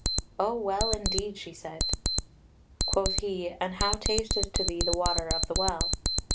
"O well indeed," she said. Quoth he: "And how tasteth to thee the water of the Well?"